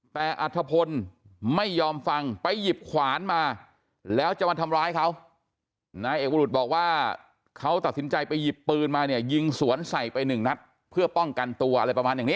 แต่อัธพลไม่ยอมฟังไปหยิบขวานมาแล้วจะมาทำร้ายเขานายเอกรุษบอกว่าเขาตัดสินใจไปหยิบปืนมาเนี่ยยิงสวนใส่ไปหนึ่งนัดเพื่อป้องกันตัวอะไรประมาณอย่างนี้